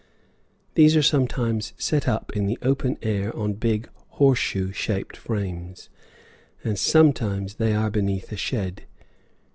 These are sometimes set up in the open air on big horseshoe shaped frames, and sometimes they are beneath a shed.